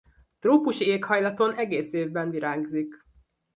Trópusi éghajlaton egész évben virágzik.